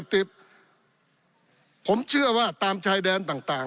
ปี๑เกณฑ์ทหารแสน๒